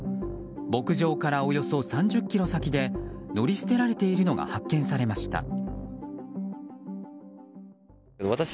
牧場からおよそ３０ｋｍ先で乗り捨てられているのが発見されました。